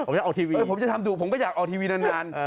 ผมจะเอาทีวีผมจะทำดุผมก็อยากเอาทีวีนาน